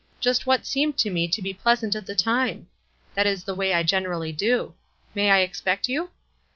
Just what seemed to me to be pleasant at the time. That is the way I generally do. May I expect you?"